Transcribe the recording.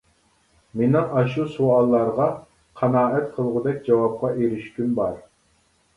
مېنىڭ ئاشۇ سوئاللارغا قانائەت قىلغۇدەك جاۋابقا ئېرىشكۈم بار.